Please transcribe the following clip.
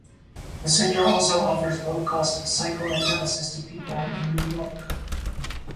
The Center also offers low-cost psychoanalysis to people in New York.